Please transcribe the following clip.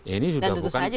ini sudah bukan ranahnya